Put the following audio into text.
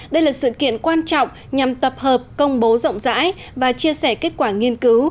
đây là sự kiện quan trọng nhằm tập hợp công bố rộng rãi và chia sẻ kết quả nghiên cứu